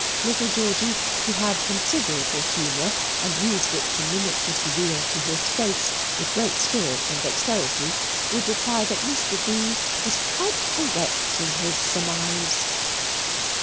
Little Georgy, who had considerable humour, and used to mimic Mr. Veal to his face with great spirit and dexterity, would reply that Mr. V. was quite correct in his surmise.